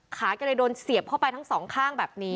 แกเลยโดนเสียบเข้าไปทั้งสองข้างแบบนี้